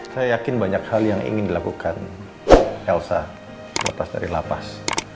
saya yakin banyak hal yang ingin dilakukan elsa lepas dari lapas